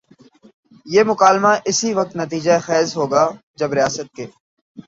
یہ مکالمہ اسی وقت نتیجہ خیز ہو گا جب ریاست کے